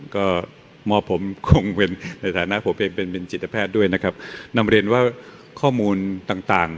ก็มอบผมคงเป็นในฐานะผมเองเป็นเป็นจิตแพทย์ด้วยนะครับนำเรียนว่าข้อมูลต่างต่าง